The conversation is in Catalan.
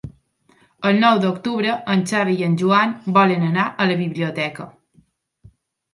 El nou d'octubre en Xavi i en Joan volen anar a la biblioteca.